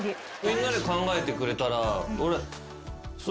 みんなで考えてくれたら。